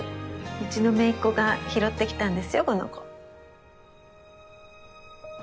うちのめいっ子が拾ってきたんですよ